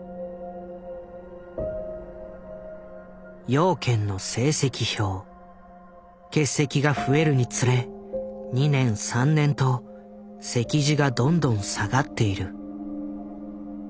養賢の成績表。欠席が増えるにつれ２年３年と席次がどんどん下がっている。